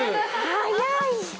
・早い！